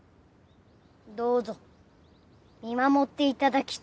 どうぞ見守って頂きたい。